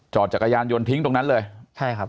จอดจากก็ยานถลงทิ้งตรงนั้นเลย